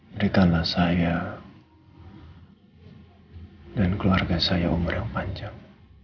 beritalah saya dan keluarga saya umur yang panjang